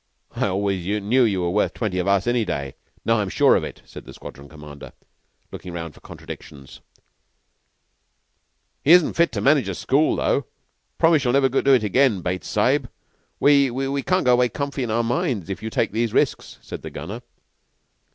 "I always knew you were worth twenty of us any day. Now I'm sure of it," said the Squadron Commander, looking round for contradictions. "He isn't fit to manage a school, though. Promise you'll never do it again, Bates Sahib. We we can't go away comfy in our minds if you take these risks," said the Gunner.